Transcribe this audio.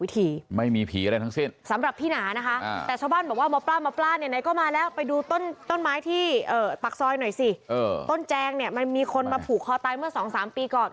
พี่ปักซอยหน่อยสิต้นแจงเนี่ยมันมีคนมาผูกคอตายเมื่อสองสามปีก่อน